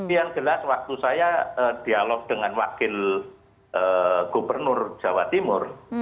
yang jelas waktu saya dialog dengan wakil gubernur jawa timur